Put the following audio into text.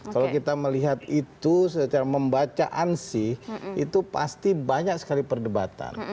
kalau kita melihat itu secara membaca ansih itu pasti banyak sekali perdebatan